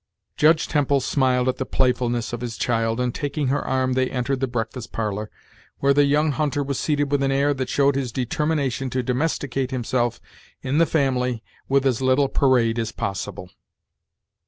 Judge Temple smiled at the playfulness of his child, and taking her arm they entered the breakfast parlor, where the young hunter was seated with an air that showed his determination to domesticate himself in the family with as little parade as possible.